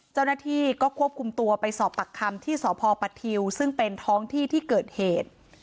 เจ้าหน้าที่ก็ควบคุมตัวไปสอบปากคำที่สพปทิวซึ่งเป็นท้องที่ที่เกิดเหตุ